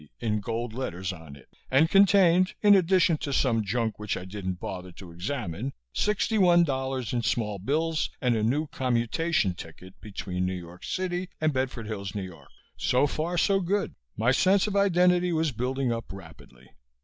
in gold letters on it, and contained in addition to some junk which I didn't bother to examine sixty one dollars in small bills and a new commutation ticket between New York City and Bedford Hills, N.Y. So far, so good. My sense of identity was building up rapidly.